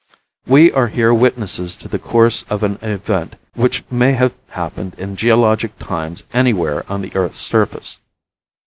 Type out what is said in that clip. We are here witnesses to the course of an event which may have happened in geologic times anywhere on the earth's surface."